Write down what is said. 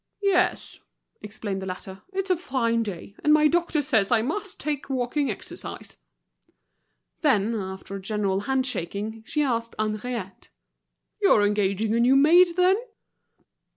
"Yes," explained the latter, "it's a fine day, and my doctor says I must take walking exercise." Then, after a general hand shaking, she asked Henriette: "You're engaging a new maid, then?"